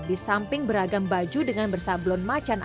disamping beragam baju dengan bersablon macan air